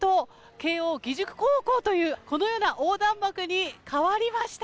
慶應義塾高校という、このような横断幕に変わりました。